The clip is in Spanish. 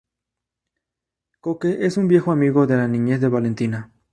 Coque es un viejo amigo de la niñez de Valentina.